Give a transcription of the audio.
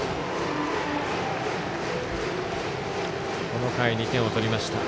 この回、２点を取りました。